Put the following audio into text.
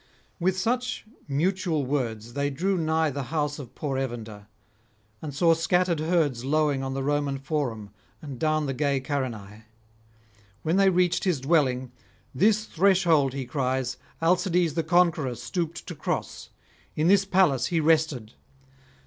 With such mutual words they drew nigh the house of poor Evander, and saw scattered herds lowing on the Roman Forum and down the gay Carinae. When they reached his dwelling, 'This threshold,' he cries, 'Alcides the Conqueror stooped to cross; in this palace he rested.